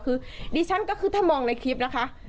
คือดิฉันก็คือถ้ามองในคลิปนะคะ